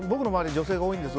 女性が多いんです。